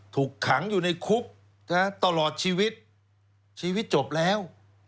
ถูกขังอยู่ในคุกตลอดชีวิตชีวิตจบแล้ว